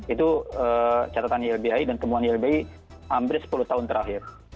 itu catatan ylbi dan temuan ylbi hampir sepuluh tahun terakhir